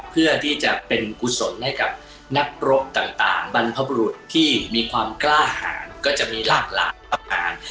เพื่อที่จะเป็นกุศลให้กับนักรบต่างบรรพบรุษที่มีความกล้าหารก็จะมีหลากหลายประการ